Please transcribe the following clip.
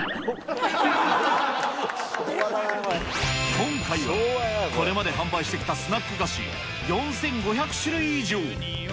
今回は、これまで販売してきたスナック菓子４５００種類以上。